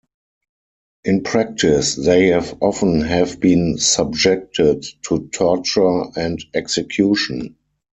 In practice, they have often have been subjected to torture and execution.